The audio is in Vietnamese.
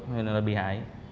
nên là bị hại